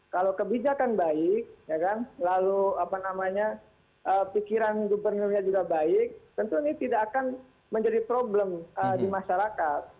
kalau kebijakan baik lalu apa namanya pikiran gubernurnya juga baik tentu ini tidak akan menjadi problem di masyarakat